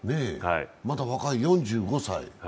まだ若い、４５歳。